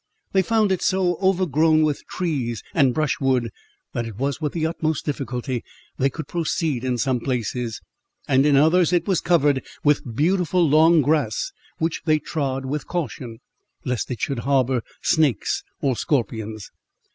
They found it so overgrown with trees and brushwood, that it was with the utmost difficulty they could proceed in some places, and in others it was covered with beautiful long grass, which they trod with caution, lest it should harbour snakes or scorpions.